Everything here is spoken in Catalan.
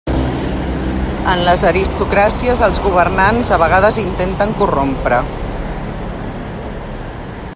En les aristocràcies, els governants a vegades intenten corrompre.